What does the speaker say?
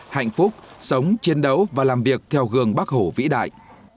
hạnh phúc sống chiến đấu và làm việc theo gương bắc hồ vĩ đại